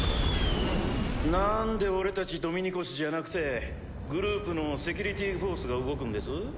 なんで俺たちドミニコスじゃなくてグループのセキュリティ・フォースが動くんです？